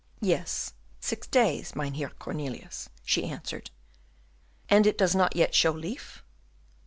"Yes, six days, Mynheer Cornelius," she answered. "And it does not yet show leaf?"